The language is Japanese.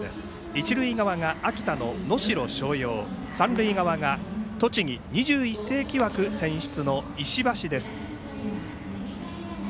一塁側が秋田の能代松陽三塁側が栃木２１世紀枠選出の石橋です。